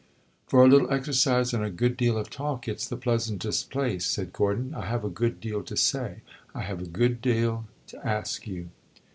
"For a little exercise and a good deal of talk, it 's the pleasantest place," said Gordon. "I have a good deal to say; I have a good deal to ask you."